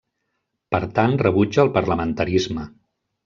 Per tant rebutja el parlamentarisme.